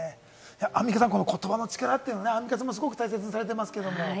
アンミカさん、この言葉の力というのはアンミカさんもすごく大切にされていますけれども。